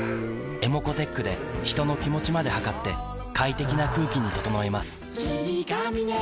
ｅｍｏｃｏーｔｅｃｈで人の気持ちまで測って快適な空気に整えます